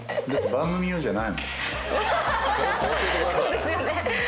「そうですよね」